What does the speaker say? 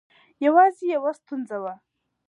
یوازې یوه ستونزه وه.